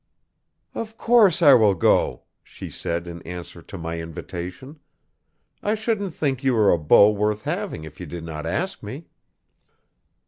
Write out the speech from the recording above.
'Of course I will go,' she said in answer to my invitation, 'I shouldn't think you were a beau worth having if you did not ask me.'